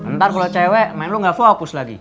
ntar kalo cewek main lo gak fokus lagi